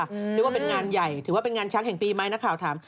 เรียกว่าเป็นงานใหญ่ถือว่าเป็นงานช้างแห่งปีไหมนักข่าวถาม